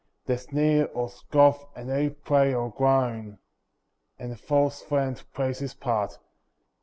They sneer or scoff, and they pray or groan, And the false friend plays his part.